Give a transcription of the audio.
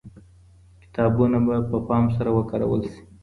کتابونه به په پام سره وکارول سي.